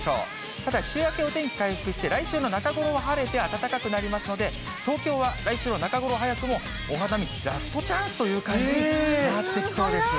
ただ、週明け、お天気回復して、来週の中ごろは晴れて暖かくなりますので、東京は来週の中頃、早くもお花見、ラストチャンスという感じになってきそうです。